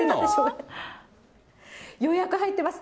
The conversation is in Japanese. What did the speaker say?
予約入ってます。